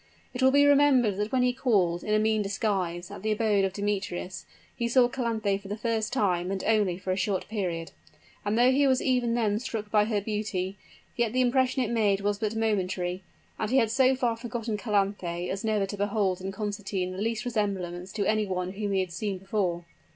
It will be remembered that when he called, in a mean disguise, at the abode of Demetrius, he saw Calanthe for the first time, and only for a short period; and though he was even then struck by her beauty, yet the impression it made was but momentary: and he had so far forgotten Calanthe as never to behold in Constantine the least resemblance to any one whom he had seen before.